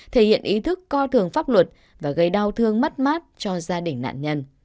thể hiện ý thức coi thường pháp luật và gây đau thương mất mát cho gia đình nạn nhân